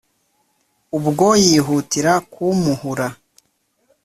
Ubwo yihutira kumpuhura!